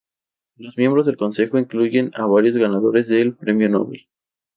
Los miembros del Consejo incluyen a varios ganadores del Premio Nobel.